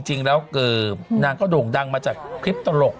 จริงแล้วนางก็โด่งดังมาจากคลิปตลก